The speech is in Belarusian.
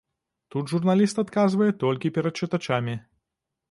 Тут журналіст адказвае толькі перад чытачамі.